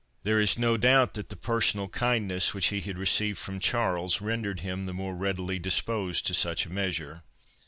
There is no doubt that the personal kindness which he had received from Charles, rendered him the more readily disposed to such a measure.